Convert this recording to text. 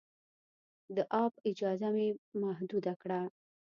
د اپ اجازه مې محدود کړه.